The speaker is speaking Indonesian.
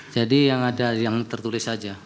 jadi yang ada yang tertulis saja